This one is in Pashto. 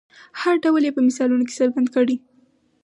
هر ډول یې په مثالونو کې څرګند کړئ.